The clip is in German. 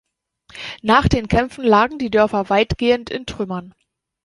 Nach den Kämpfen lagen die Dörfer weitgehend in Trümmern.